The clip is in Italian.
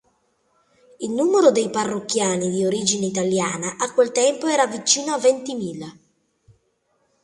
Il numero dei parrocchiani di origine italiana a quel tempo era vicino a ventimila.